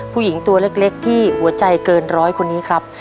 ผู้หญิงตัวเล็กที่หัวใจเกินร้อยคนนี้ครับ